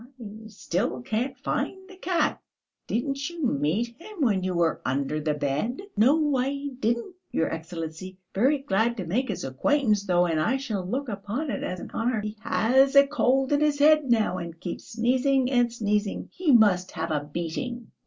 "I still can't find the cat, didn't you meet him when you were under the bed?" "No, I didn't, your Excellency. Very glad to make his acquaintance, though, and I shall look upon it as an honour...." "He has a cold in his head now, and keeps sneezing and sneezing. He must have a beating."